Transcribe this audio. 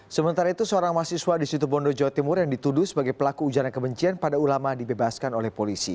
sementara itu seorang mahasiswa di situ bondo jawa timur yang dituduh sebagai pelaku ujaran kebencian pada ulama dibebaskan oleh polisi